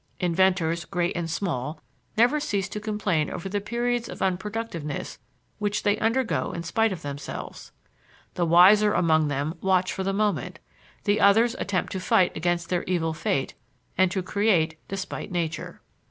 Inventors, great and small, never cease to complain over the periods of unproductiveness which they undergo in spite of themselves. The wiser among them watch for the moment; the others attempt to fight against their evil fate and to create despite nature.